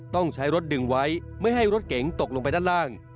ต้องใช้รถดึงไว้ไม่ให้รถเก๋งตกลงไปด้านล่าง